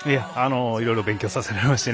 いろいろ勉強させられました。